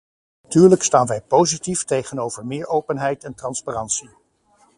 Natuurlijk staan wij positief tegenover meer openheid en transparantie.